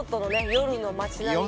夜の町並み